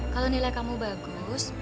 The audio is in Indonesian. kalau nilai kamu bagus